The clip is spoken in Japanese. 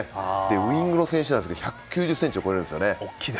ウイングの選手なんですけど１９０ｃｍを超えるんですね。